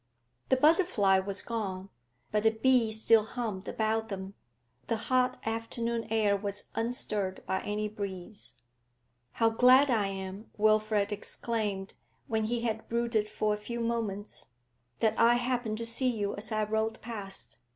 The butterfly was gone, but the bee still hummed about them. The hot afternoon air was unstirred by any breeze. 'How glad I am,' Wilfrid exclaimed when he had brooded for a few moments, 'that I happened to see you as I rode past!